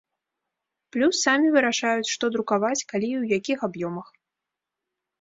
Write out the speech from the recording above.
Плюс самі вырашаюць, што друкаваць, калі і ў якіх аб'ёмах.